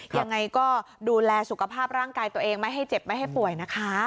ยังไงก็ดูแลสุขภาพร่างกายตัวเองไม่ให้เจ็บไม่ให้ป่วยนะคะ